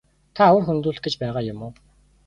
Та үр хөндүүлэх гэж байгаа юм уу?